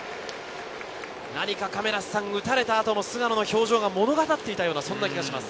打たれた後の菅野の表情が物語っていた気がします。